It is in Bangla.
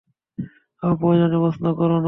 অপ্রয়োজনীয় প্রশ্ন করো না।